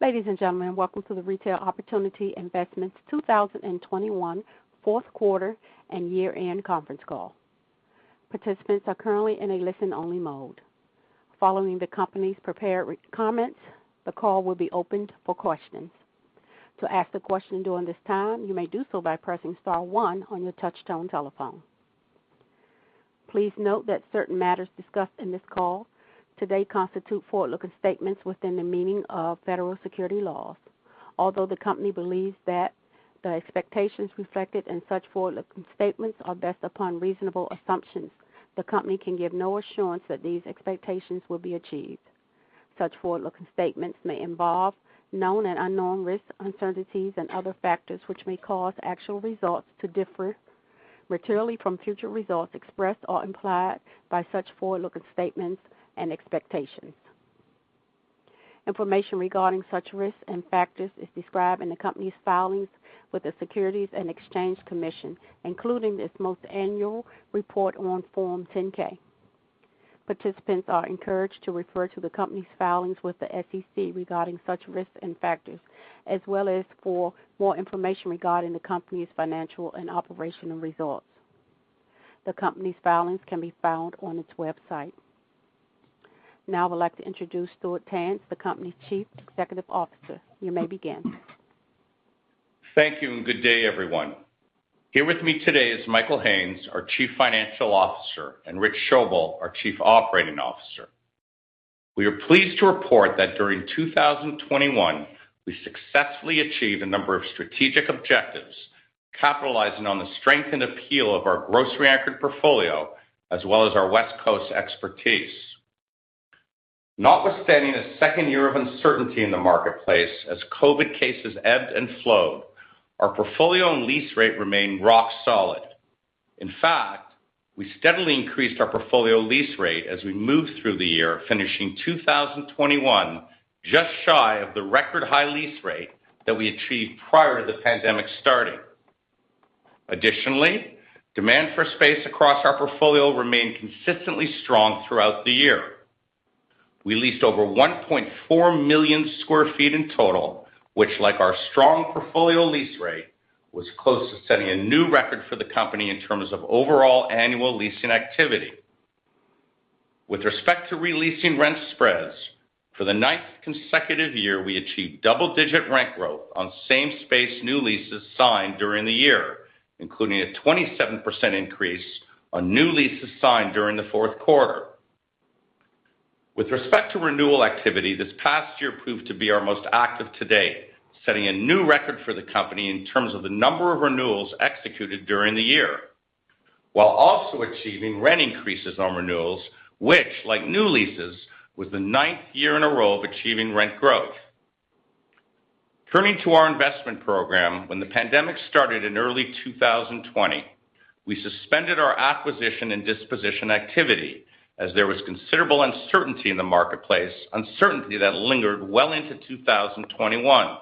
Ladies and gentlemen, welcome to the Retail Opportunity Investments 2021 fourth quarter and year-end conference call. Participants are currently in a listen-only mode. Following the company's prepared remarks, the call will be opened for questions. To ask a question during this time, you may do so by pressing star one on your touchtone telephone. Please note that certain matters discussed in this call today constitute forward-looking statements within the meaning of federal securities laws. Although the company believes that the expectations reflected in such forward-looking statements are based upon reasonable assumptions, the company can give no assurance that these expectations will be achieved. Such forward-looking statements may involve known and unknown risks, uncertainties, and other factors which may cause actual results to differ materially from future results expressed or implied by such forward-looking statements and expectations. Information regarding such risks and factors is described in the company's filings with the Securities and Exchange Commission, including its most recent annual report on Form 10-K. Participants are encouraged to refer to the company's filings with the SEC regarding such risks and factors, as well as for more information regarding the company's financial and operational results. The company's filings can be found on its website. Now I would like to introduce Stuart Tanz, the company's Chief Executive Officer. You may begin. Thank you, and good day, everyone. Here with me today is Michael Haines, our Chief Financial Officer, and Rich Schoebel, our Chief Operating Officer. We are pleased to report that during 2021, we successfully achieved a number of strategic objectives, capitalizing on the strength and appeal of our grocery anchored portfolio, as well as our West Coast expertise. Notwithstanding the second year of uncertainty in the marketplace as COVID cases ebbed and flowed, our portfolio and lease rate remained rock solid. In fact, we steadily increased our portfolio lease rate as we moved through the year, finishing 2021 just shy of the record high lease rate that we achieved prior to the pandemic starting. Additionally, demand for space across our portfolio remained consistently strong throughout the year. We leased over 1.4 million sq ft in total, which, like our strong portfolio lease rate, was close to setting a new record for the company in terms of overall annual leasing activity. With respect to re-leasing rent spreads, for the ninth consecutive year, we achieved double-digit rent growth on same space new leases signed during the year, including a 27% increase on new leases signed during the fourth quarter. With respect to renewal activity, this past year proved to be our most active to date, setting a new record for the company in terms of the number of renewals executed during the year, while also achieving rent increases on renewals, which like new leases, was the ninth year in a row of achieving rent growth. Turning to our investment program, when the pandemic started in early 2020, we suspended our acquisition and disposition activity as there was considerable uncertainty in the marketplace, uncertainty that lingered well into 2021.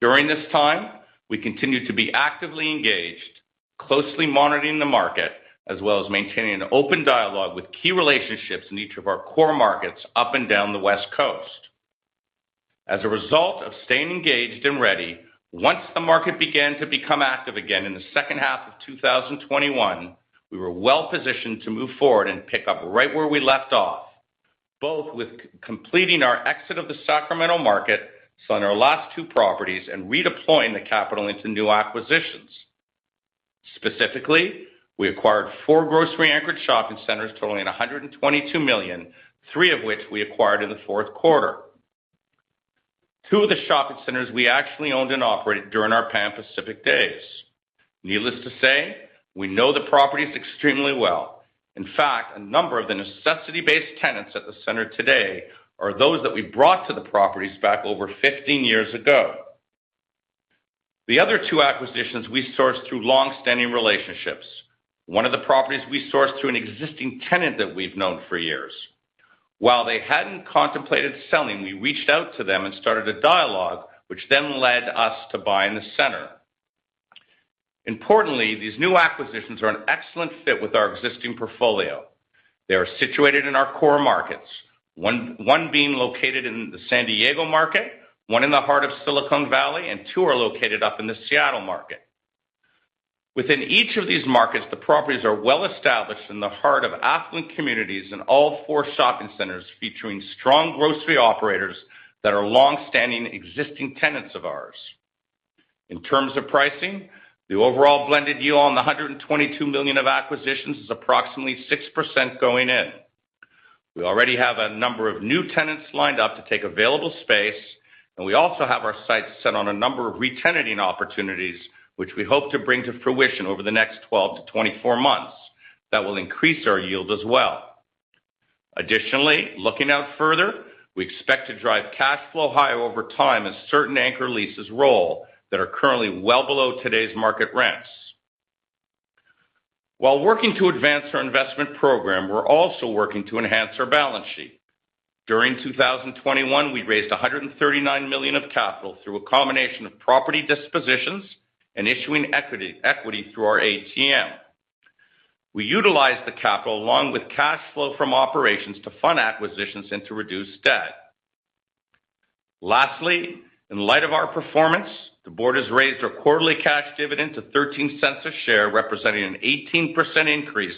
During this time, we continued to be actively engaged, closely monitoring the market, as well as maintaining an open dialogue with key relationships in each of our core markets up and down the West Coast. As a result of staying engaged and ready, once the market began to become active again in the second half of 2021, we were well positioned to move forward and pick up right where we left off, both with completing our exit of the Sacramento market, selling our last two properties and redeploying the capital into new acquisitions. Specifically, we acquired four grocery-anchored shopping centers totaling $122 million, three of which we acquired in the fourth quarter. Two of the shopping centers we actually owned and operated during our Pan Pacific days. Needless to say, we know the properties extremely well. In fact, a number of the necessity-based tenants at the center today are those that we brought to the properties back over 15 years ago. The other two acquisitions we sourced through long-standing relationships. One of the properties we sourced through an existing tenant that we've known for years. While they hadn't contemplated selling, we reached out to them and started a dialogue which then led us to buying the center. Importantly, these new acquisitions are an excellent fit with our existing portfolio. They are situated in our core markets, one being located in the San Diego market, one in the heart of Silicon Valley, and two are located up in the Seattle market. Within each of these markets, the properties are well established in the heart of affluent communities in all four shopping centers, featuring strong grocery operators that are long-standing existing tenants of ours. In terms of pricing, the overall blended yield on the $122 million of acquisitions is approximately 6% going in. We already have a number of new tenants lined up to take available space, and we also have our sights set on a number of re-tenanting opportunities, which we hope to bring to fruition over the next 12-24 months that will increase our yield as well. Additionally, looking out further, we expect to drive cash flow higher over time as certain anchor leases roll that are currently well below today's market rents. While working to advance our investment program, we're also working to enhance our balance sheet. During 2021, we raised $139 million of capital through a combination of property dispositions and issuing equity through our ATM. We utilized the capital along with cash flow from operations to fund acquisitions and to reduce debt. Lastly, in light of our performance, the board has raised our quarterly cash dividend to $0.13 a share, representing an 18% increase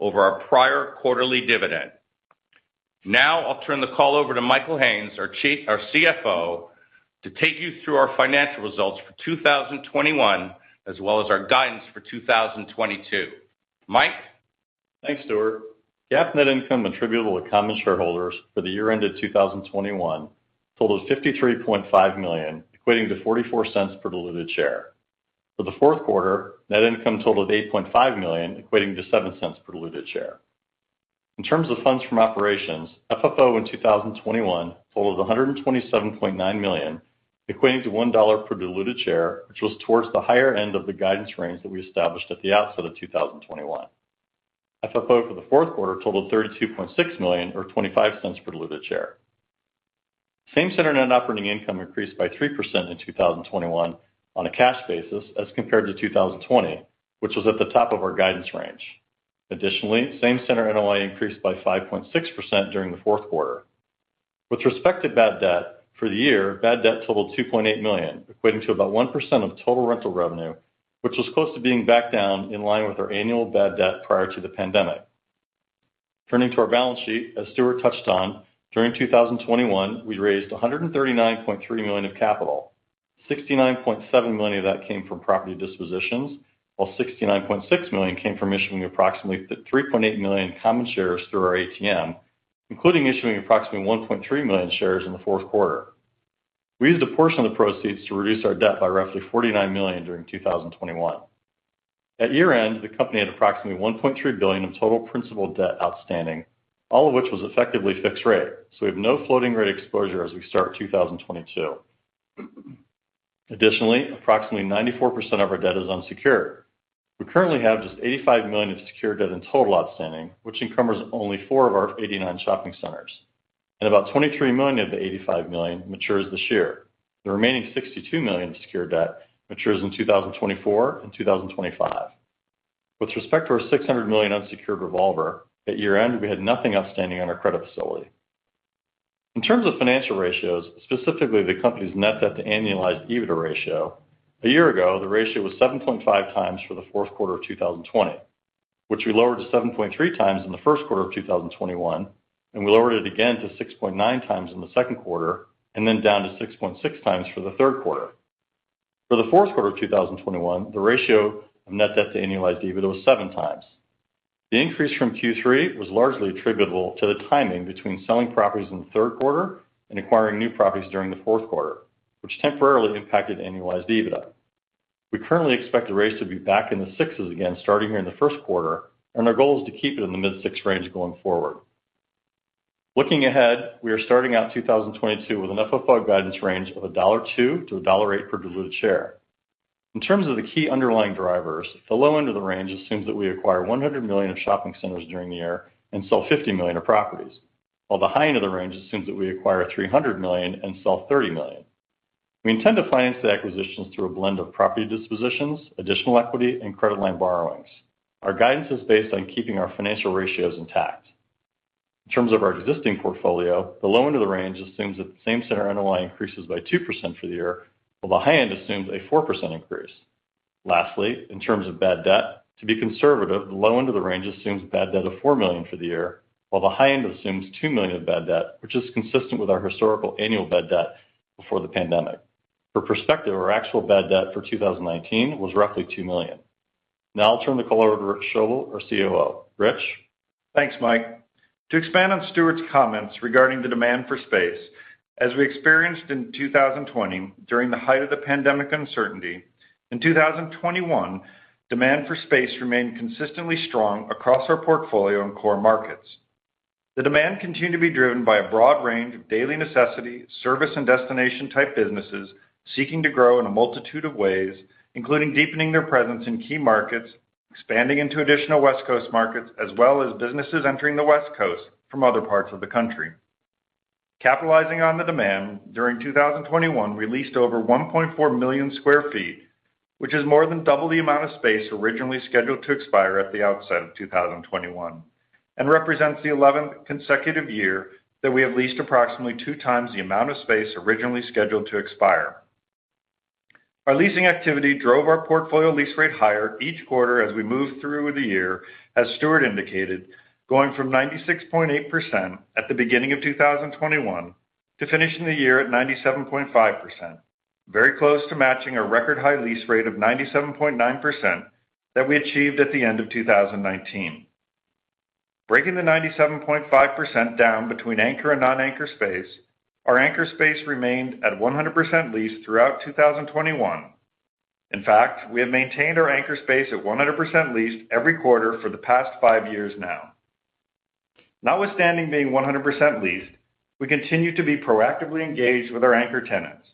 over our prior quarterly dividend. Now, I'll turn the call over to Michael Haines, our CFO, to take you through our financial results for 2021, as well as our guidance for 2022. Mike? Thanks, Stuart. GAAP net income attributable to common shareholders for the year ended 2021 totaled $53.5 million, equating to $0.44 per diluted share. For the fourth quarter, net income totaled $8.5 million, equating to $0.07 per diluted share. In terms of funds from operations, FFO in 2021 totaled $127.9 million, equating to $1 per diluted share, which was towards the higher end of the guidance range that we established at the outset of 2021. FFO for the fourth quarter totaled $32.6 million or $0.25 per diluted share. Same-center net operating income increased by 3% in 2021 on a cash basis as compared to 2020, which was at the top of our guidance range. Additionally, same-center NOI increased by 5.6% during the fourth quarter. With respect to bad debt, for the year, bad debt totaled $2.8 million, equating to about 1% of total rental revenue, which was close to being back down in line with our annual bad debt prior to the pandemic. Turning to our balance sheet, as Stuart touched on, during 2021, we raised $139.3 million of capital. $69.7 million of that came from property dispositions, while $69.6 million came from issuing approximately 3.8 million common shares through our ATM, including issuing approximately 1.3 million shares in the fourth quarter. We used a portion of the proceeds to reduce our debt by roughly $49 million during 2021. At year-end, the company had approximately $1.3 billion of total principal debt outstanding, all of which was effectively fixed rate, so we have no floating rate exposure as we start 2022. Additionally, approximately 94% of our debt is unsecured. We currently have just $85 million of secured debt in total outstanding, which encumbers only four of our 89 shopping centers, and about $23 million of the $85 million matures this year. The remaining $62 million of secured debt matures in 2024 and 2025. With respect to our $600 million unsecured revolver, at year-end, we had nothing outstanding on our credit facility. In terms of financial ratios, specifically the company's net debt to annualized EBITDA ratio, a year ago, the ratio was 7.5x for the fourth quarter of 2020, which we lowered to 7.3x in the first quarter of 2021, and we lowered it again to 6.9x in the second quarter, and then down to 6.6x for the third quarter. For the fourth quarter of 2021, the ratio of net debt to annualized EBITDA was 7x. The increase from Q3 was largely attributable to the timing between selling properties in the third quarter and acquiring new properties during the fourth quarter, which temporarily impacted annualized EBITDA. We currently expect the rates to be back in the sixes again starting here in the first quarter, and our goal is to keep it in the mid-six range going forward. Looking ahead, we are starting out 2022 with an FFO guidance range of $1.02-$1.08 per diluted share. In terms of the key underlying drivers, the low end of the range assumes that we acquire $100 million of shopping centers during the year and sell $50 million of properties, while the high end of the range assumes that we acquire $300 million and sell $30 million. We intend to finance the acquisitions through a blend of property dispositions, additional equity, and credit line borrowings. Our guidance is based on keeping our financial ratios intact. In terms of our existing portfolio, the low end of the range assumes that same center NOI increases by 2% for the year, while the high end assumes a 4% increase. Lastly, in terms of bad debt, to be conservative, the low end of the range assumes bad debt of $4 million for the year, while the high end assumes $2 million of bad debt, which is consistent with our historical annual bad debt before the pandemic. For perspective, our actual bad debt for 2019 was roughly $2 million. Now I'll turn the call over to Rich Schoebel, our COO. Rich? Thanks, Mike. To expand on Stuart's comments regarding the demand for space, as we experienced in 2020 during the height of the pandemic uncertainty, in 2021, demand for space remained consistently strong across our portfolio and core markets. The demand continued to be driven by a broad range of daily necessities, service and destination type businesses seeking to grow in a multitude of ways, including deepening their presence in key markets, expanding into additional West Coast markets, as well as businesses entering the West Coast from other parts of the country. Capitalizing on the demand, during 2021, we leased over 1.4 million sq ft, which is more than double the amount of space originally scheduled to expire at the outset of 2021, and represents the 11th consecutive year that we have leased approximately 2x the amount of space originally scheduled to expire. Our leasing activity drove our portfolio lease rate higher each quarter as we moved through the year, as Stuart indicated, going from 96.8% at the beginning of 2021 to finishing the year at 97.5%, very close to matching our record high lease rate of 97.9% that we achieved at the end of 2019. Breaking the 97.5% down between anchor and non-anchor space, our anchor space remained at 100% leased throughout 2021. In fact, we have maintained our anchor space at 100% leased every quarter for the past five years now. Notwithstanding being 100% leased, we continue to be proactively engaged with our anchor tenants.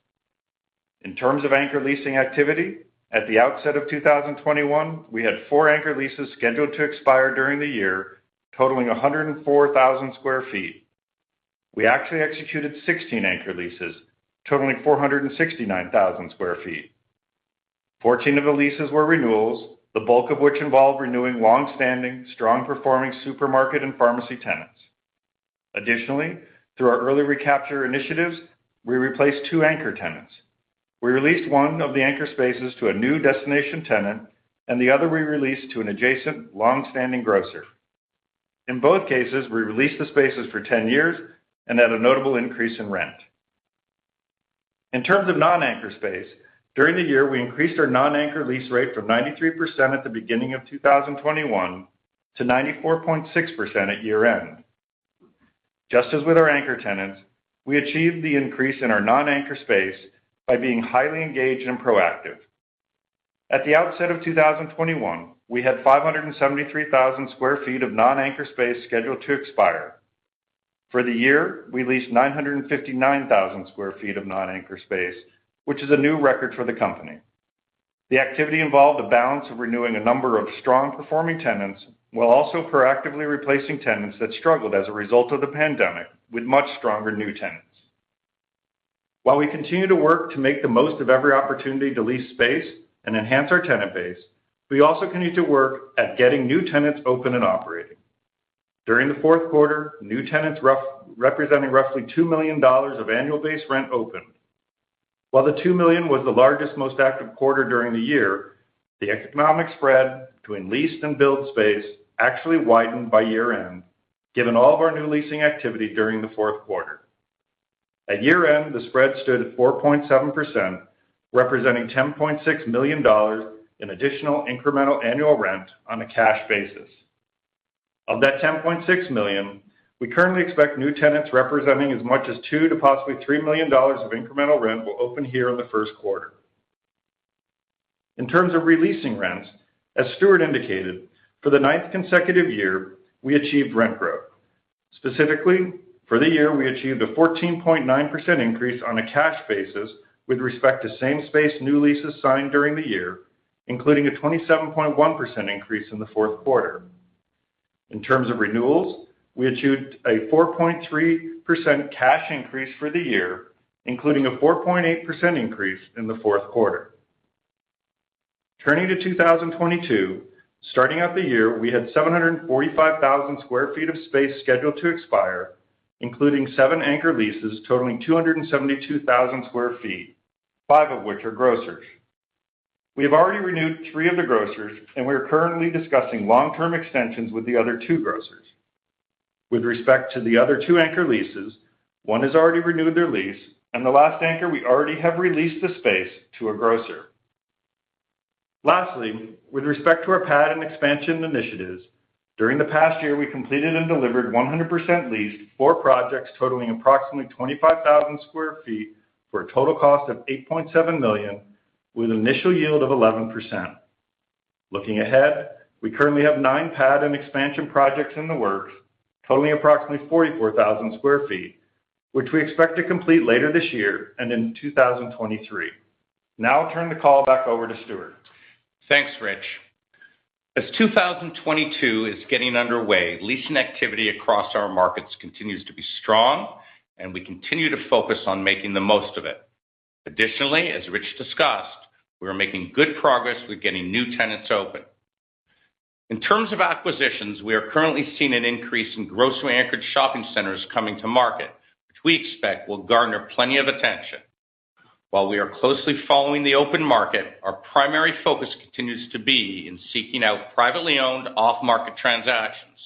In terms of anchor leasing activity, at the outset of 2021, we had 4 anchor leases scheduled to expire during the year, totaling 104,000 sq ft. We actually executed 16 anchor leases totaling 469,000 sq ft. 14 of the leases were renewals, the bulk of which involved renewing long-standing, strong-performing supermarket and pharmacy tenants. Additionally, through our early recapture initiatives, we replaced two anchor tenants. We released one of the anchor spaces to a new destination tenant, and the other we released to an adjacent long-standing grocer. In both cases, we released the spaces for 10 years and at a notable increase in rent. In terms of non-anchor space, during the year, we increased our non-anchor lease rate from 93% at the beginning of 2021 to 94.6% at year-end. Just as with our anchor tenants, we achieved the increase in our non-anchor space by being highly engaged and proactive. At the outset of 2021, we had 573,000 sq ft of non-anchor space scheduled to expire. For the year, we leased 959,000 sq ft of non-anchor space, which is a new record for the company. The activity involved a balance of renewing a number of strong-performing tenants, while also proactively replacing tenants that struggled as a result of the pandemic with much stronger new tenants. While we continue to work to make the most of every opportunity to lease space and enhance our tenant base, we also continue to work at getting new tenants open and operating. During the fourth quarter, new tenants representing roughly $2 million of annual base rent opened. While the $2 million was the largest, most active quarter during the year, the economic spread between leased and built space actually widened by year-end, given all of our new leasing activity during the fourth quarter. At year-end, the spread stood at 4.7%, representing $10.6 million in additional incremental annual rent on a cash basis. Of that $10.6 million, we currently expect new tenants representing as much as $2 million to possibly $3 million of incremental rent will open here in the first quarter. In terms of re-leasing rents, as Stuart indicated, for the ninth consecutive year, we achieved rent growth. Specifically, for the year, we achieved a 14.9% increase on a cash basis with respect to same space new leases signed during the year, including a 27.1% increase in the fourth quarter. In terms of renewals, we achieved a 4.3% cash increase for the year, including a 4.8% increase in the fourth quarter. Turning to 2022, starting out the year, we had 745,000 sq ft of space scheduled to expire, including seven anchor leases totaling 272,000 sq ft, five of which are grocers. We have already renewed three of the grocers, and we are currently discussing long-term extensions with the other two grocers. With respect to the other two anchor leases, one has already renewed their lease, and the last anchor, we already have re-leased the space to a grocer. Lastly, with respect to our pad and expansion initiatives, during the past year, we completed and delivered 100% leased four projects totaling approximately 25,000 sq ft for a total cost of $8.7 million with initial yield of 11%. Looking ahead, we currently have nine pad and expansion projects in the works, totaling approximately 44,000 sq ft, which we expect to complete later this year and in 2023. Now I'll turn the call back over to Stuart. Thanks, Rich. As 2022 is getting underway, leasing activity across our markets continues to be strong, and we continue to focus on making the most of it. Additionally, as Rich discussed, we are making good progress with getting new tenants open. In terms of acquisitions, we are currently seeing an increase in grocery-anchored shopping centers coming to market, which we expect will garner plenty of attention. While we are closely following the open market, our primary focus continues to be in seeking out privately owned off-market transactions.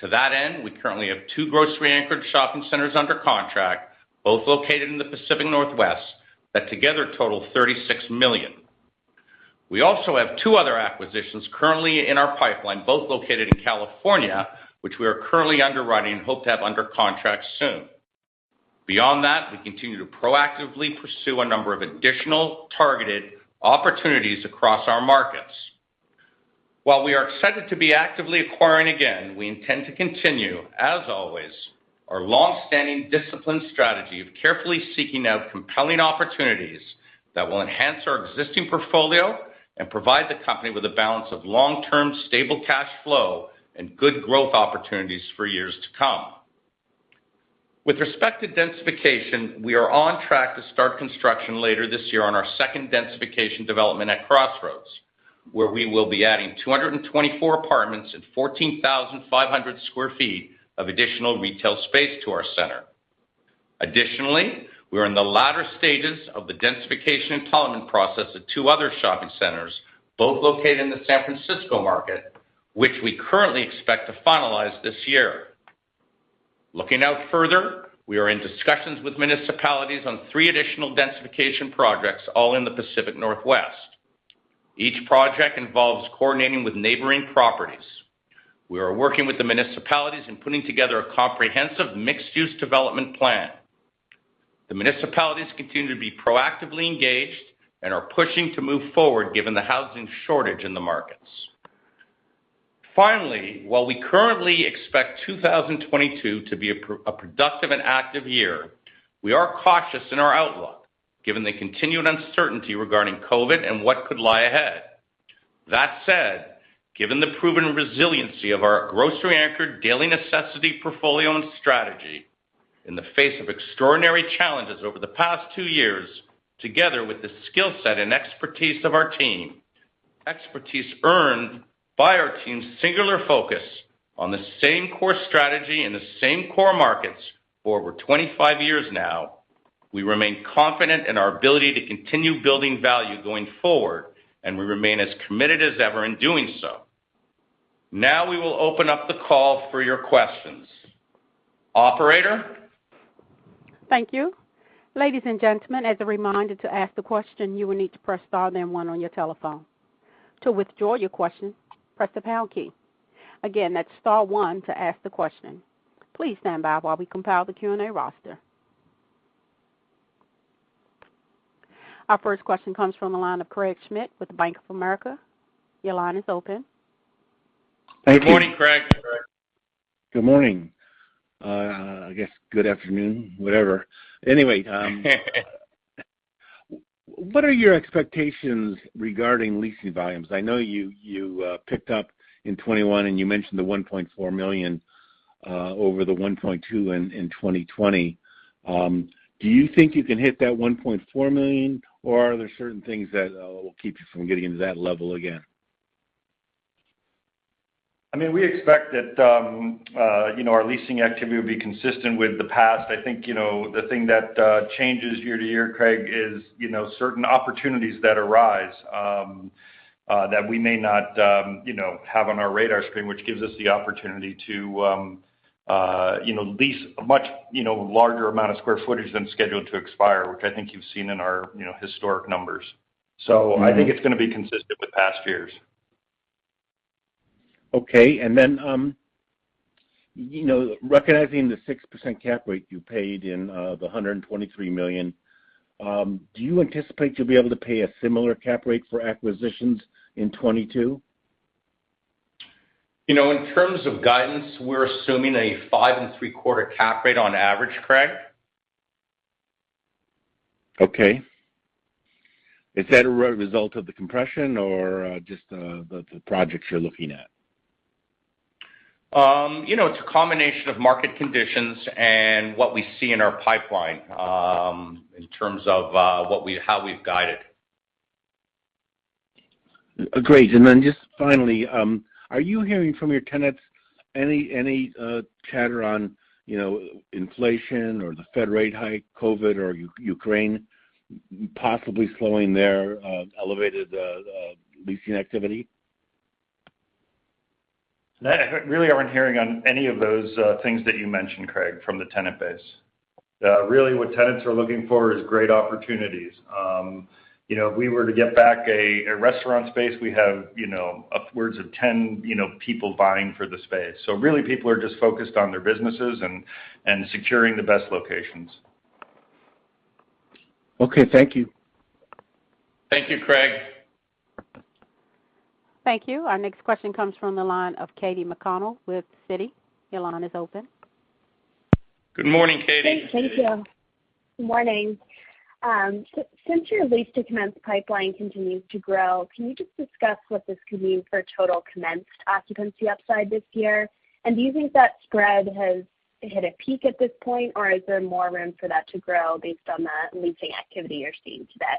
To that end, we currently have two grocery-anchored shopping centers under contract, both located in the Pacific Northwest, that together total $36 million. We also have two other acquisitions currently in our pipeline, both located in California, which we are currently underwriting and hope to have under contract soon. Beyond that, we continue to proactively pursue a number of additional targeted opportunities across our markets. While we are excited to be actively acquiring again, we intend to continue, as always, our long-standing discipline strategy of carefully seeking out compelling opportunities that will enhance our existing portfolio and provide the company with a balance of long-term stable cash flow and good growth opportunities for years to come. With respect to densification, we are on track to start construction later this year on our second densification development at Crossroads, where we will be adding 224 apartments and 14,500 sq ft of additional retail space to our center. Additionally, we are in the latter stages of the densification and entitlement process of two other shopping centers, both located in the San Francisco market, which we currently expect to finalize this year. Looking out further, we are in discussions with municipalities on three additional densification projects, all in the Pacific Northwest. Each project involves coordinating with neighboring properties. We are working with the municipalities in putting together a comprehensive mixed-use development plan. The municipalities continue to be proactively engaged and are pushing to move forward given the housing shortage in the markets. Finally, while we currently expect 2022 to be a productive and active year, we are cautious in our outlook, given the continued uncertainty regarding COVID and what could lie ahead. That said, given the proven resiliency of our grocery-anchored daily necessity portfolio and strategy in the face of extraordinary challenges over the past two years, together with the skill set and expertise of our team, earned by our team's singular focus on the same core strategy in the same core markets for over 25 years now, we remain confident in our ability to continue building value going forward, and we remain as committed as ever in doing so. Now we will open up the call for your questions. Operator? Thank you. Ladies and gentlemen, as a reminder, to ask the question, you will need to press Star then One on your telephone. To withdraw your question, press the Pound key. Again, that's Star One to ask the question. Please stand by while we compile the Q&A roster. Our first question comes from the line of Craig Schmidt with Bank of America. Your line is open. Thank you. Good morning, Craig. Good morning. I guess good afternoon, whatever. Anyway, what are your expectations regarding leasing volumes? I know you picked up in 2021, and you mentioned the 1.4 million over the 1.2 in 2020. Do you think you can hit that 1.4 million, or are there certain things that will keep you from getting to that level again? I mean, we expect that, you know, our leasing activity will be consistent with the past. I think, you know, the thing that changes year to year, Craig, is, you know, certain opportunities that arise, that we may not, you know, have on our radar screen, which gives us the opportunity to, you know, lease a much, you know, larger amount of square footage than scheduled to expire, which I think you've seen in our, you know, historic numbers. I think it's gonna be consistent with past years. Okay. You know, recognizing the 6% cap rate you paid in the $123 million, do you anticipate you'll be able to pay a similar cap rate for acquisitions in 2022? You know, in terms of guidance, we're assuming a 5.75 cap rate on average, Craig. Okay. Is that a result of the compression or just the projects you're looking at? You know, it's a combination of market conditions and what we see in our pipeline, in terms of how we've guided. Great. Just finally, are you hearing from your tenants any chatter on, you know, inflation or the Fed rate hike, COVID or Ukraine possibly slowing their elevated leasing activity? I really aren't hearing on any of those things that you mentioned, Craig, from the tenant base. Really what tenants are looking for is great opportunities. You know, if we were to get back a restaurant space, we have, you know, upwards of 10, you know, people vying for the space. Really people are just focused on their businesses and securing the best locations. Okay, thank you. Thank you, Craig. Thank you. Our next question comes from the line of Katy McConnell with Citi. Your line is open. Good morning, Katy. Thank you. Morning. Since your lease to commence pipeline continues to grow, can you just discuss what this could mean for total commenced occupancy upside this year? And do you think that spread has hit a peak at this point, or is there more room for that to grow based on the leasing activity you're seeing today?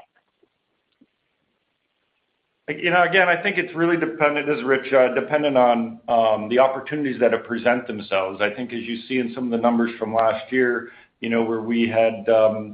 You know, again, I think it's really dependent, as Rich said, on the opportunities that'll present themselves. I think as you see in some of the numbers from last year, you know, where we had,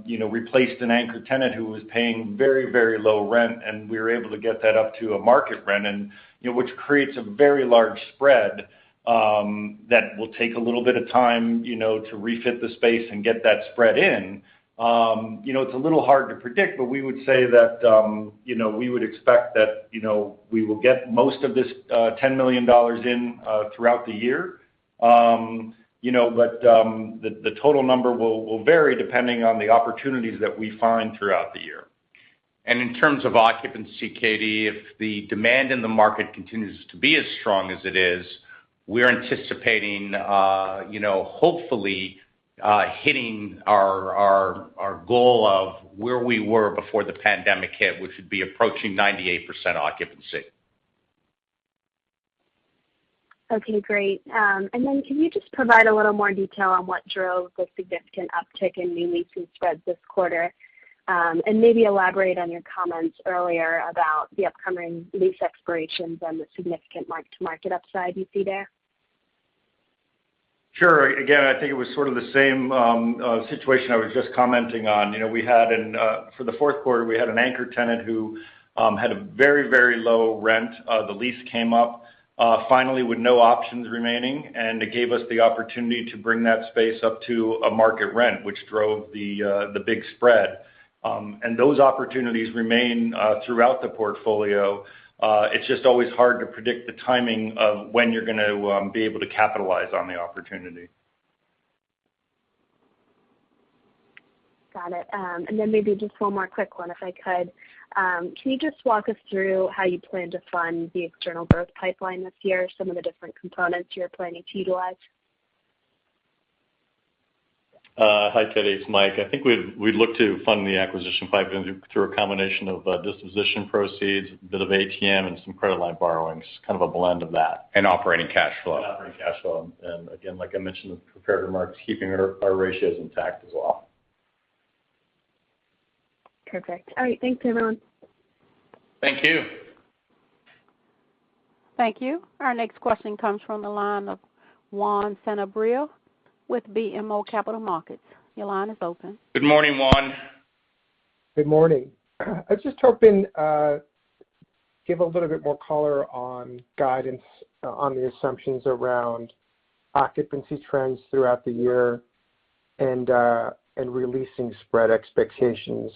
you know, replaced an anchor tenant who was paying very, very low rent, and we were able to get that up to a market rent and, you know, which creates a very large spread, that will take a little bit of time, you know, to refit the space and get that spread in. You know, it's a little hard to predict, but we would say that, you know, we would expect that, you know, we will get most of this $10 million in throughout the year. You know, the total number will vary depending on the opportunities that we find throughout the year. In terms of occupancy, Katie, if the demand in the market continues to be as strong as it is, we're anticipating, you know, hopefully, hitting our goal of where we were before the pandemic hit, which would be approaching 98% occupancy. Okay, great. Can you just provide a little more detail on what drove the significant uptick in new leasing spreads this quarter? Maybe elaborate on your comments earlier about the upcoming lease expirations and the significant mark-to-market upside you see there? Sure. Again, I think it was sort of the same situation I was just commenting on. You know, for the fourth quarter, we had an anchor tenant who had a very, very low rent. The lease came up finally with no options remaining, and it gave us the opportunity to bring that space up to a market rent, which drove the big spread. And those opportunities remain throughout the portfolio. It's just always hard to predict the timing of when you're gonna be able to capitalize on the opportunity. Got it. Maybe just one more quick one if I could. Can you just walk us through how you plan to fund the external growth pipeline this year, some of the different components you're planning to utilize? Hi, Katy, it's Mike. I think we'd look to fund the acquisition pipeline through a combination of disposition proceeds, a bit of ATM and some credit line borrowings, kind of a blend of that. Operating cash flow. Operating cash flow. Again, like I mentioned in the prepared remarks, keeping our ratios intact as well. Perfect. All right, thanks everyone. Thank you. Thank you. Our next question comes from the line of Juan Sanabria with BMO Capital Markets. Your line is open. Good morning, Juan. Good morning. I was just hoping to give a little bit more color on guidance on the assumptions around occupancy trends throughout the year and leasing spread expectations.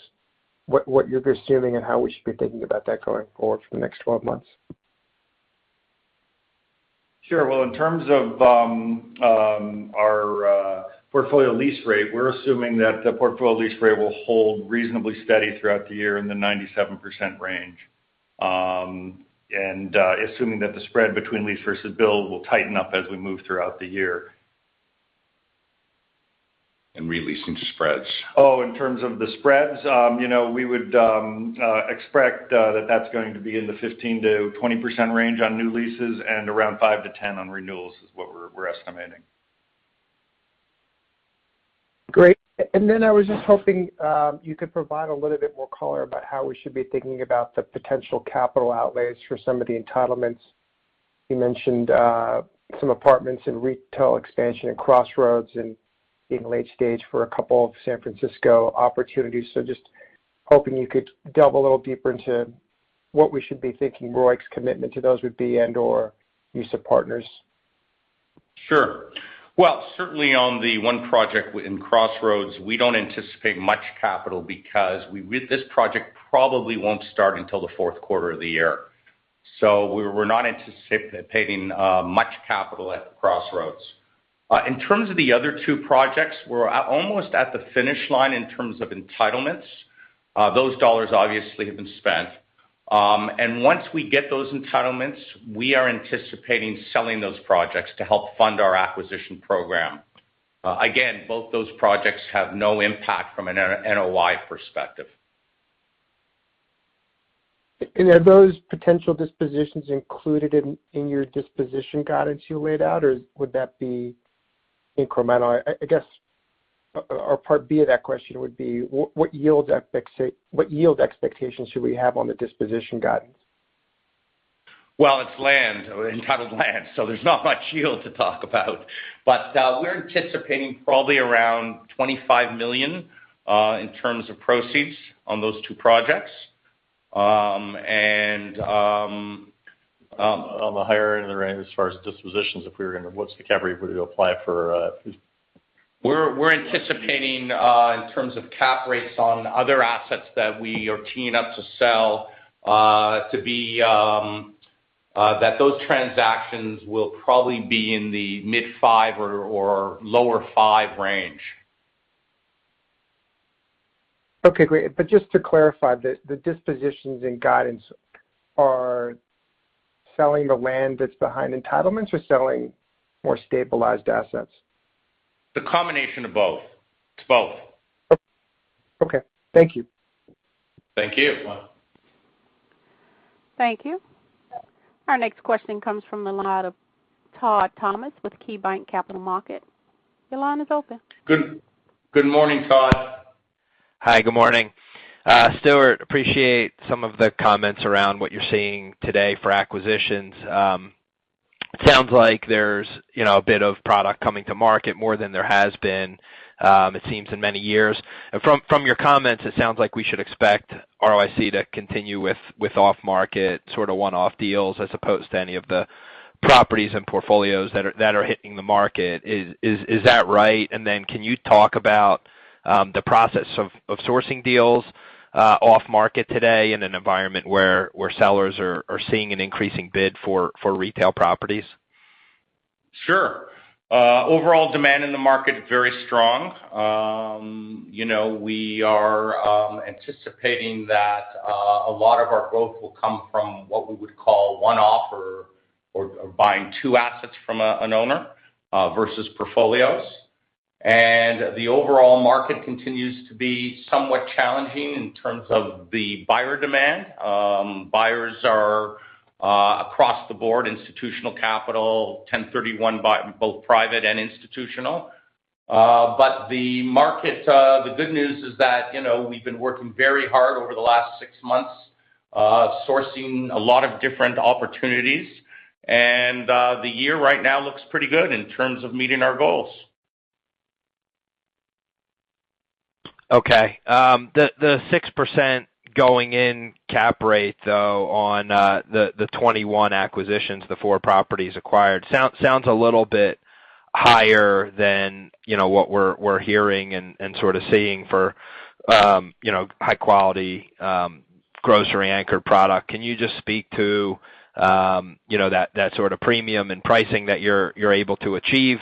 What you're assuming and how we should be thinking about that going forward for the next 12 months. Sure. Well, in terms of our portfolio lease rate, we're assuming that the portfolio lease rate will hold reasonably steady throughout the year in the 97% range. Assuming that the spread between lease versus bill will tighten up as we move throughout the year. Re-leasing to spreads. Oh, in terms of the spreads, you know, we would expect that that's going to be in the 15%-20% range on new leases and around 5%-10% on renewals is what we're estimating. Great. I was just hoping you could provide a little bit more color about how we should be thinking about the potential capital outlays for some of the entitlements. You mentioned some apartments and retail expansion and Crossroads and being late stage for a couple of San Francisco opportunities. Just hoping you could delve a little deeper into what we should be thinking ROIC's commitment to those would be and/or use of partners. Sure. Well, certainly on the one project in Crossroads, we don't anticipate much capital because with this project probably won't start until the fourth quarter of the year. We're not anticipating much capital at Crossroads. In terms of the other two projects, we're almost at the finish line in terms of entitlements. Those dollars obviously have been spent. Once we get those entitlements, we are anticipating selling those projects to help fund our acquisition program. Again, both those projects have no impact from an NOI perspective. Are those potential dispositions included in your disposition guidance you laid out, or would that be incremental? I guess, or part B of that question would be what yield expectations should we have on the disposition guidance? Well, it's land, entitled land, so there's not much yield to talk about. We're anticipating probably around $25 million in terms of proceeds on those two projects. On the higher end of the range as far as dispositions, if we were gonna, what's the category we're gonna apply for? We're anticipating in terms of cap rates on other assets that we are teeing up to sell to be that those transactions will probably be in the mid-5% or lower 5% range. Okay, great. Just to clarify, the dispositions in guidance are selling the land that's behind entitlements or selling more stabilized assets? It's a combination of both. It's both. Okay. Thank you. Thank you, Juan. Thank you. Our next question comes from the line of Todd Thomas with KeyBanc Capital Markets. Your line is open. Good morning, Todd. Hi, good morning. Stuart, appreciate some of the comments around what you're seeing today for acquisitions. Sounds like there's, you know, a bit of product coming to market more than there has been, it seems, in many years. From your comments, it sounds like we should expect ROIC to continue with off market, sort of one-off deals, as opposed to any of the properties and portfolios that are hitting the market. Is that right? Can you talk about the process of sourcing deals off market today in an environment where sellers are seeing an increasing bid for retail properties? Sure. Overall demand in the market, very strong. You know, we are anticipating that a lot of our growth will come from what we would call one-off or buying two assets from an owner versus portfolios. The overall market continues to be somewhat challenging in terms of the buyer demand. Buyers are across the board, institutional capital, 1031 by both private and institutional. But the market, the good news is that, you know, we've been working very hard over the last six months sourcing a lot of different opportunities. The year right now looks pretty good in terms of meeting our goals. Okay. The 6% going in cap rate, though, on the 21 acquisitions, the four properties acquired, sounds a little bit higher than, you know, what we're hearing and sort of seeing for, you know, high quality grocery anchor product. Can you just speak to, you know, that sort of premium and pricing that you're able to achieve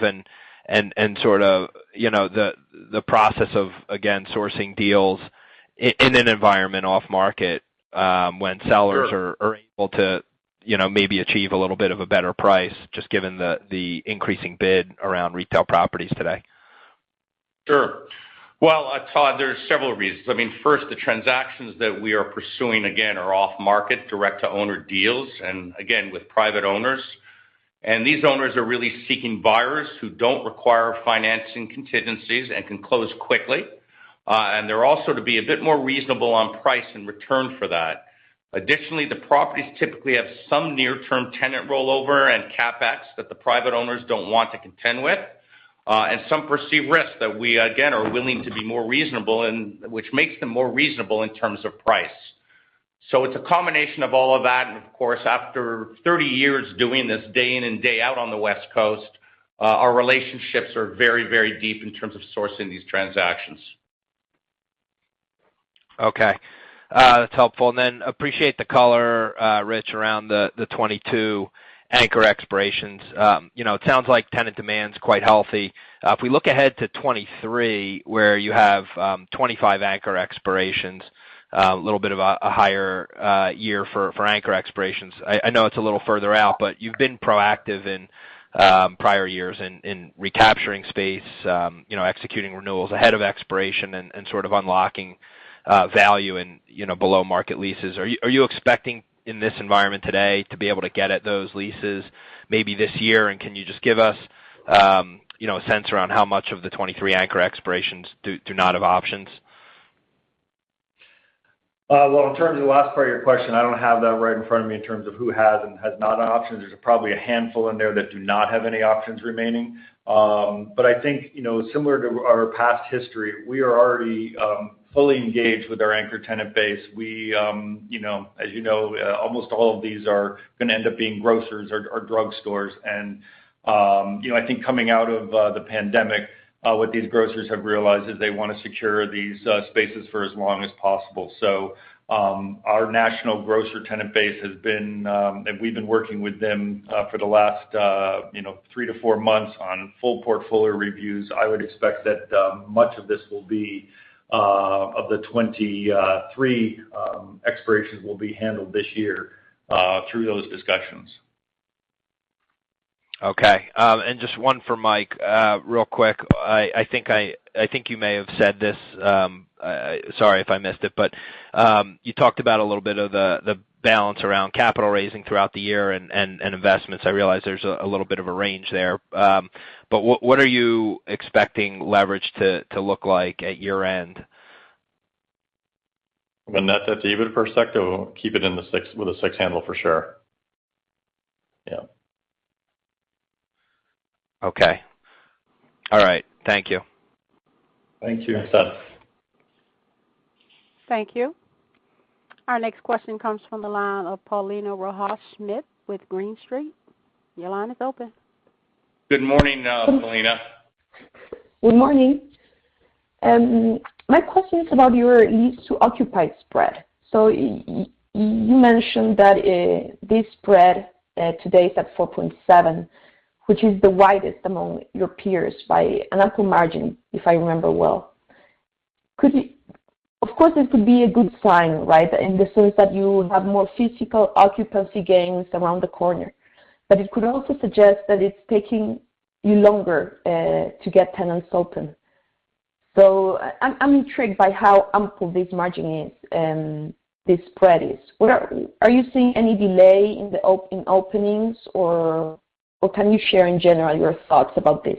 and sort of, you know, the process of, again, sourcing deals in an environment off market, when sellers- Sure are able to, you know, maybe achieve a little bit of a better price, just given the increasing bid around retail properties today. Sure. Well, Todd, there's several reasons. I mean, first, the transactions that we are pursuing again are off market direct to owner deals, and again, with private owners. These owners are really seeking buyers who don't require financing contingencies and can close quickly. They're also to be a bit more reasonable on price in return for that. Additionally, the properties typically have some near-term tenant rollover and CapEx that the private owners don't want to contend with, and some perceived risk that we again are willing to be more reasonable and which makes them more reasonable in terms of price. So it's a combination of all of that. Of course, after 30 years doing this day in and day out on the West Coast, our relationships are very, very deep in terms of sourcing these transactions. Okay. That's helpful. I appreciate the color, Rich, around the 2022 anchor expirations. You know, it sounds like tenant demand is quite healthy. If we look ahead to 2023, where you have 25 anchor expirations, a little bit of a higher year for anchor expirations. I know it's a little further out, but you've been proactive in prior years in recapturing space. You know, executing renewals ahead of expiration and sort of unlocking value in below market leases. Are you expecting in this environment today to be able to get at those leases maybe this year? Can you just give us a sense around how much of the 2023 anchor expirations do not have options? Well, in terms of the last part of your question, I don't have that right in front of me in terms of who has and has not options. There's probably a handful in there that do not have any options remaining. I think, you know, similar to our past history, we are already fully engaged with our anchor tenant base. We, you know, as you know, almost all of these are gonna end up being grocers or drugstores. You know, I think coming out of the pandemic, what these grocers have realized is they wanna secure these spaces for as long as possible. Our national grocer tenant base has been, and we've been working with them for the last, you know, three to four months on full portfolio reviews. I would expect that much of the 23 expirations will be handled this year through those discussions. Okay. Just one for Mike, real quick. I think you may have said this, sorry if I missed it, but you talked about a little bit of the balance around capital raising throughout the year and investments. I realize there's a little bit of a range there, but what are you expecting leverage to look like at year-end? I mean, that's even for sector. We'll keep it in the six with a six handle for sure. Yeah. Okay. All right. Thank you. Thank you. Thanks, Todd. Thank you. Our next question comes from the line of Paulina Rojas-Schmidt with Green Street. Your line is open. Good morning, Paulina. Good morning. My question is about your lease to occupy spread. You mentioned that this spread today is at 4.7%, which is the widest among your peers by another margin, if I remember well. Of course, this could be a good sign, right? In the sense that you will have more physical occupancy gains around the corner. It could also suggest that it's taking you longer to get tenants open. I'm intrigued by how ample this margin is and this spread is. Are you seeing any delay in the openings or can you share in general your thoughts about this?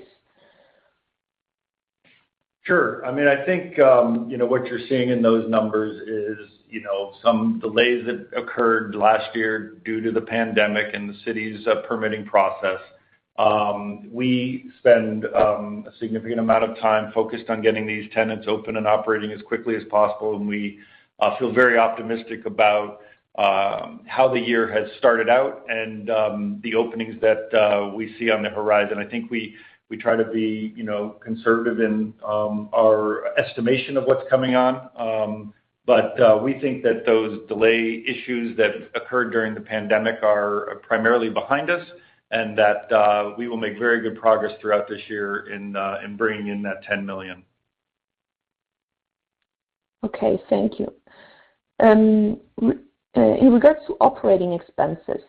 Sure. I mean, I think, you know, what you're seeing in those numbers is, you know, some delays that occurred last year due to the pandemic and the city's permitting process. We spend a significant amount of time focused on getting these tenants open and operating as quickly as possible, and we feel very optimistic about how the year has started out and the openings that we see on the horizon. I think we try to be, you know, conservative in our estimation of what's coming on. But we think that those delay issues that occurred during the pandemic are primarily behind us and that we will make very good progress throughout this year in bringing in that $10 million. Okay, thank you. In regards to operating expenses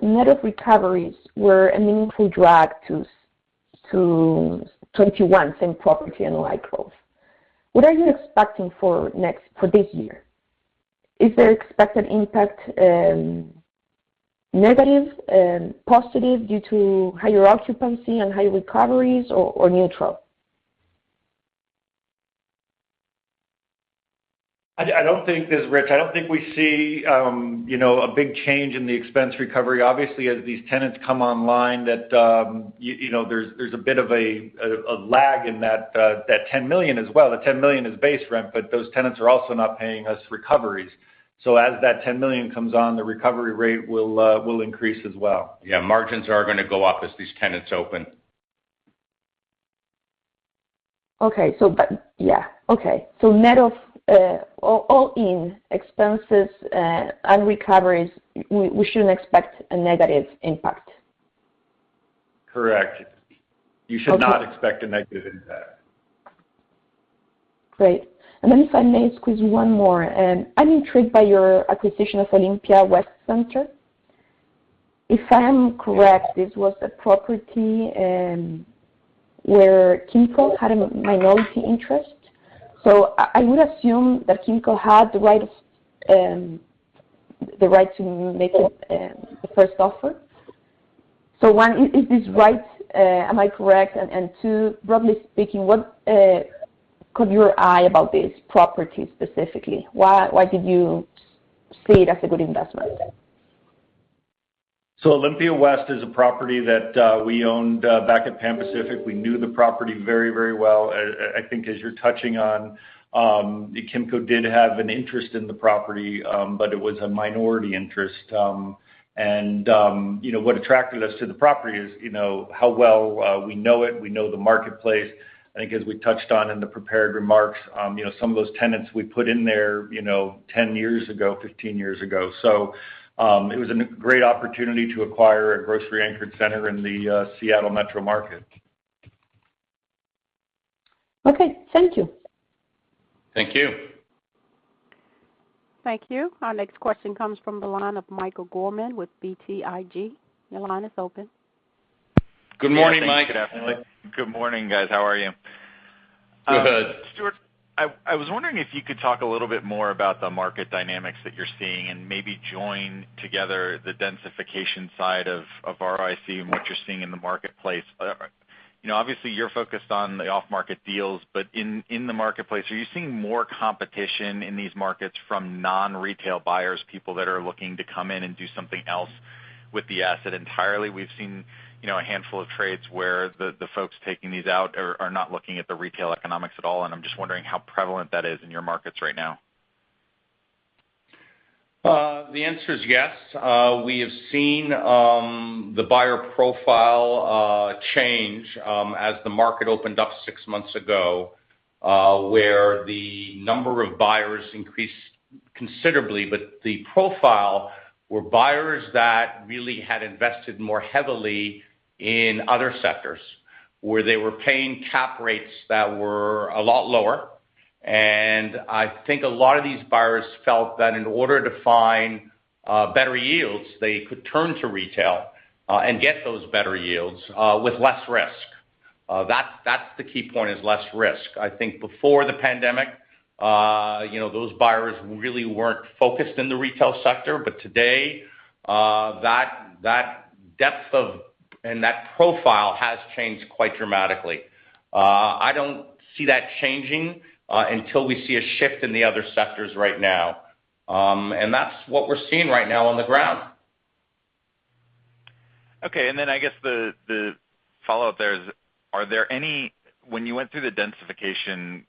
net of recoveries were a meaningful drag to 2021 same-property NOI growth. What are you expecting for this year? Is there expected impact, negative and positive due to higher occupancy and higher recoveries or neutral? I don't think this, Rich. I don't think we see you know, a big change in the expense recovery. Obviously, as these tenants come online that you know, there's a bit of a lag in that $10 million as well. The $10 million is base rent, but those tenants are also not paying us recoveries. As that $10 million comes on, the recovery rate will increase as well. Yeah. Margins are gonna go up as these tenants open. Net of all in expenses and recoveries, we shouldn't expect a negative impact? Correct. You should not expect a negative impact. Great. If I may squeeze one more. I'm intrigued by your acquisition of Olympia West Center. If I'm correct, this was a property where Kimco had a minority interest. I would assume that Kimco had the right to make the first offer. One, is this right? Am I correct? And two, broadly speaking, what caught your eye about this property specifically? Why did you see it as a good investment? Olympia West is a property that we owned back at Pan Pacific. We knew the property very, very well. I think as you're touching on, Kimco did have an interest in the property, but it was a minority interest. You know, what attracted us to the property is, you know, how well we know it. We know the marketplace. I think as we touched on in the prepared remarks, you know, some of those tenants we put in there, you know, 10 years ago, 15 years ago. It was a great opportunity to acquire a grocery-anchored center in the Seattle metro market. Okay. Thank you. Thank you. Thank you. Our next question comes from the line of Michael Gorman with BTIG. Your line is open. Good morning, Mike. Good afternoon. Good morning, guys. How are you? Go ahead. Stuart, I was wondering if you could talk a little bit more about the market dynamics that you're seeing and maybe join together the densification side of ROIC and what you're seeing in the marketplace. You know, obviously you're focused on the off-market deals, but in the marketplace, are you seeing more competition in these markets from non-retail buyers, people that are looking to come in and do something else with the asset entirely? We've seen, you know, a handful of trades where the folks taking these out are not looking at the retail economics at all, and I'm just wondering how prevalent that is in your markets right now. The answer is yes. We have seen the buyer profile change as the market opened up six months ago, where the number of buyers increased considerably. The profile were buyers that really had invested more heavily in other sectors, where they were paying cap rates that were a lot lower. I think a lot of these buyers felt that in order to find better yields, they could turn to retail and get those better yields with less risk. That's the key point is less risk. I think before the pandemic, you know, those buyers really weren't focused in the retail sector. Today, that depth of and that profile has changed quite dramatically. I don't see that changing until we see a shift in the other sectors right now. That's what we're seeing right now on the ground. Okay. I guess the follow-up there is, when you went through the densification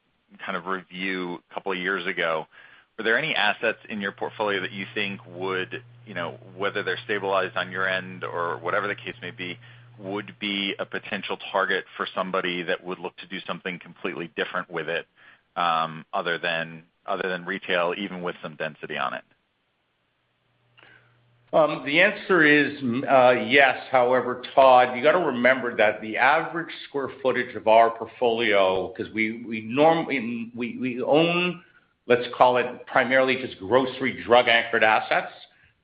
kind of review a couple of years ago, were there any assets in your portfolio that you think would, you know, whether they're stabilized on your end or whatever the case may be, would be a potential target for somebody that would look to do something completely different with it, other than retail, even with some density on it? The answer is yes. However, you got to remember that the average square footage of our portfolio, because we own, let's call it primarily just grocery- and drug-anchored assets.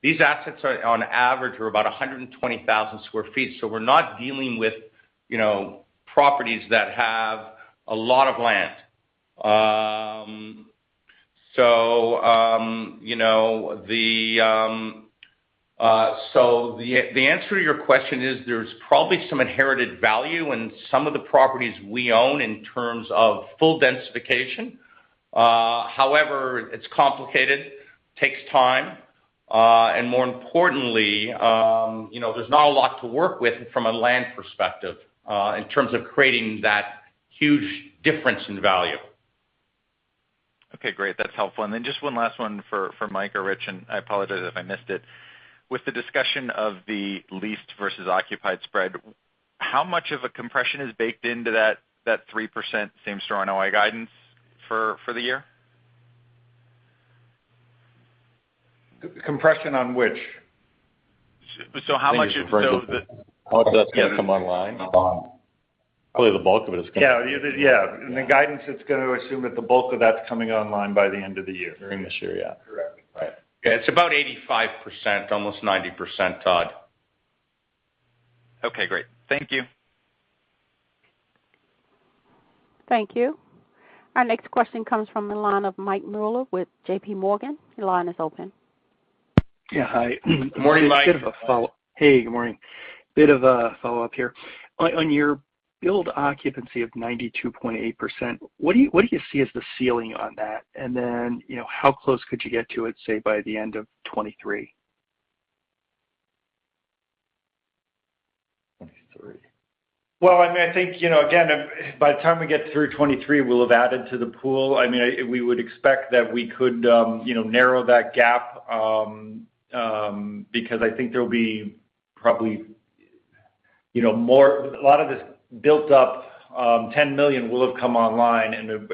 These assets are on average about 120,000 sq ft. So we're not dealing with, you know, properties that have a lot of land. So the answer to your question is there's probably some inherited value in some of the properties we own in terms of full densification. However, it's complicated, takes time. More importantly, you know, there's not a lot to work with from a land perspective in terms of creating that huge difference in value. Okay, great. That's helpful. Just one last one for Mike or Rich, and I apologize if I missed it. With the discussion of the leased versus occupied spread, how much of a compression is baked into that 3% same-store NOI guidance for the year? Compression on which? How much of those? I think it's going to come online. Probably the bulk of it is coming. Yeah. Yeah. The guidance is going to assume that the bulk of that's coming online by the end of the year. During this year, yeah. Correct. Right. It's about 85%, almost 90%. Okay, great. Thank you. Thank you. Our next question comes from the line of Michael Mueller with J.P. Morgan. Your line is open. Yeah. Hi. Good morning, Mike. Hey, good morning. Bit of a follow-up here. On your blended occupancy of 92.8%, what do you see as the ceiling on that? You know, how close could you get to it, say, by the end of 2023? 2023. Well, I mean, I think, you know, again, by the time we get through 2023, we'll have added to the pool. I mean, we would expect that we could, you know, narrow that gap, because I think there'll be probably, you know, more, a lot of this built up, $10 million will have come online, and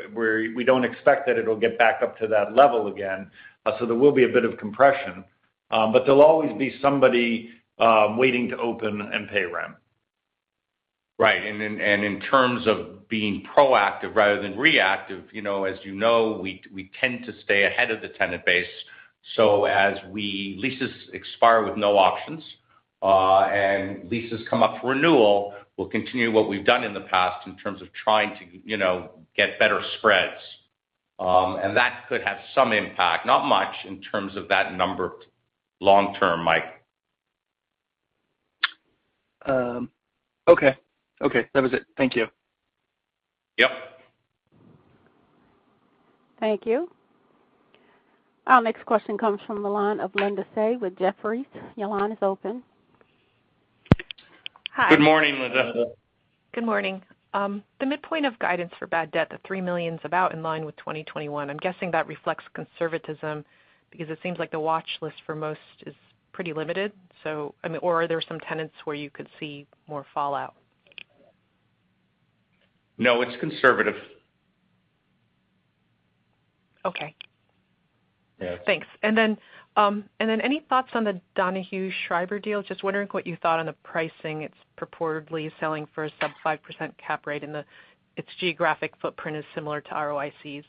we don't expect that it'll get back up to that level again. So there will be a bit of compression. There'll always be somebody waiting to open and pay rent. Right. In terms of being proactive rather than reactive, you know, as you know, we tend to stay ahead of the tenant base. leases expire with no options, and leases come up for renewal, we'll continue what we've done in the past in terms of trying to, you know, get better spreads. That could have some impact, not much in terms of that number long term, Mike. Okay. That was it. Thank you. Yep. Thank you. Our next question comes from the line of Linda Tsai with Jefferies. Your line is open. Hi. Good morning, Linda. Good morning. The midpoint of guidance for bad debt, the $3 million's about in line with 2021. I'm guessing that reflects conservatism because it seems like the watch list for most is pretty limited. I mean, or are there some tenants where you could see more fallout? No, it's conservative. Okay. Yeah. Thanks. Any thoughts on the Donahue Schriber deal? Just wondering what you thought on the pricing. It's purportedly selling for a sub-5% cap rate, its geographic footprint is similar to ROIC's.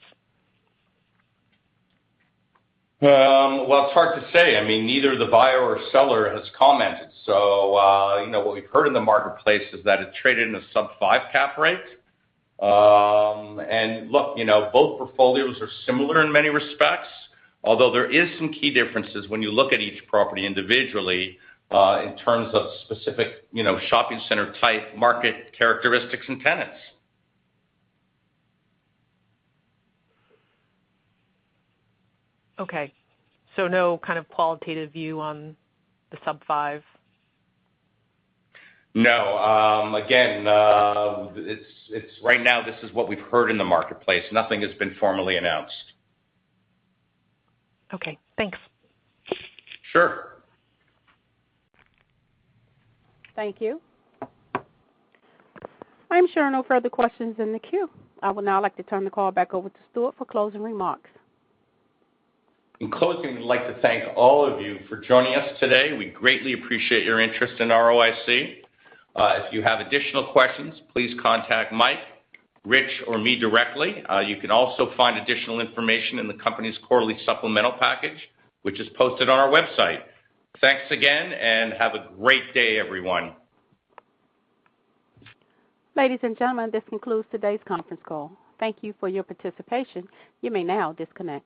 Well, it's hard to say. I mean, neither the buyer or seller has commented. You know, what we've heard in the marketplace is that it's traded in a sub-5% cap rate. Look, you know, both portfolios are similar in many respects, although there is some key differences when you look at each property individually, in terms of specific, you know, shopping center type, market characteristics and tenants. Okay, no kind of qualitative view on the sub-5%? No. Again, it's right now this is what we've heard in the marketplace. Nothing has been formally announced. Okay, thanks. Sure. Thank you. I'm showing no further questions in the queue. I would now like to turn the call back over to Stuart for closing remarks. In closing, we'd like to thank all of you for joining us today. We greatly appreciate your interest in ROIC. If you have additional questions, please contact Mike, Rich, or me directly. You can also find additional information in the company's quarterly supplemental package, which is posted on our website. Thanks again, and have a great day, everyone. Ladies and gentlemen, this concludes today's conference call. Thank you for your participation. You may now disconnect.